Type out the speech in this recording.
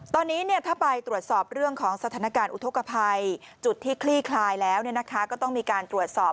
ตอนนี้ถ้าไปตรวจสอบเรื่องของสถานการณ์อุทธกภัยจุดที่คลี่คลายแล้วก็ต้องมีการตรวจสอบ